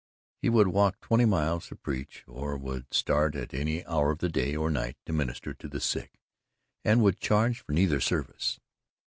He would walk twenty miles to preach, or would start at any hour of the day or night to minister to the sick, and would charge for neither service.